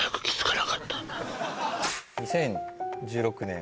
２０１６年